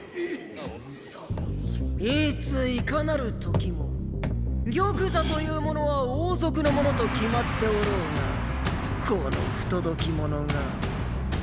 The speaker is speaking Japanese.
いついかなる時も玉座というものは王族のものと決まっておろうがこの不届き者が。